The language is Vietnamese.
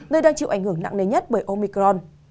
nơi đang chịu ảnh hưởng nặng nề nhất bởi omicron